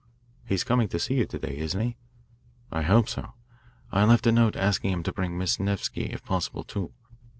"He's coming to see you to day, isn't he?" "I hope so. I left a note asking him to bring Miss Nevsky, if possible, too.